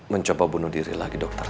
mencoba bunuh diri lagi dokter